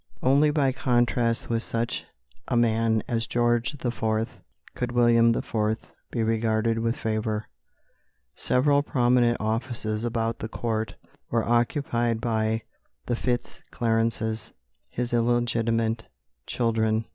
Only by contrast with such a man as George IV. could William IV. be regarded with favour. Several prominent offices about the Court were occupied by the Fitz Clarences, his illegitimate children.